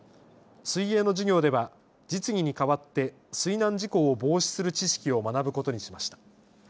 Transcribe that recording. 水泳の授業では実技に代わって水難事故を防止する知識を学ぶことにしました。